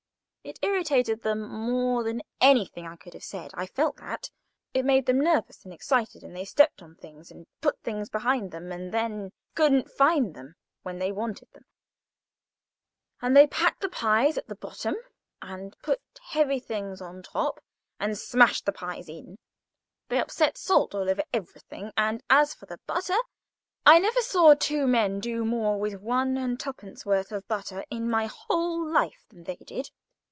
It irritated them more than anything I could have said. I felt that. It made them nervous and excited, and they stepped on things, and put things behind them, and then couldn't find them when they wanted them; and they packed the pies at the bottom, and put heavy things on top, and smashed the pies in. They upset salt over everything, and as for the butter! I never saw two men do more with one and twopence worth of butter in my whole life than they did.